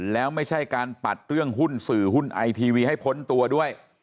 แล้วไม่ใช่การปัดเรื่องหุ้นสื่อหุ้นไอทีวีให้พ้นตัวด้วย